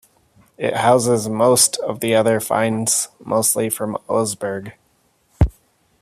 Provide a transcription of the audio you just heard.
It houses most of the other finds, mostly from Oseberg.